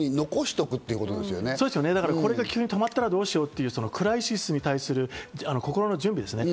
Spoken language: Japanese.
これが急に止まったらどうしよう？というクライシスに対する心の準備ですね。